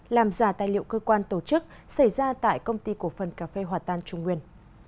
làm giả tài liệu cơ quan tổ chức xảy ra tại công ty cổ phần cà phê hòa tan trung nguyên